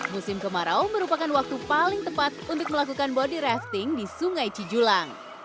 musim kemarau merupakan waktu paling tepat untuk melakukan body rafting di sungai cijulang